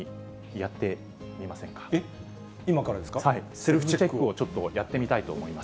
セルフチェックを、ちょっとやってみたいと思います。